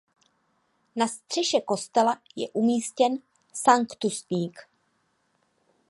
Na střeše kostela je umístěn sanktusník.